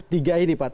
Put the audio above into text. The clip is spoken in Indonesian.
tiga ini pak